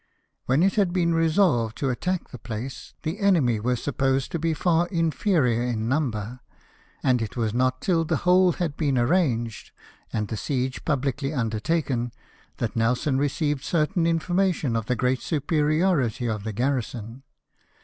When it had been resolved to attack the place, the enemy were supposed to be far inferior in number ; and it was not till the whole had been arranged, and the siege publicly undertaken, that Nelson received certain information of the great superiority of the garrison.